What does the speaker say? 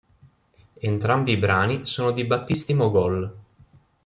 Entrambi i brani sono di Battisti-Mogol.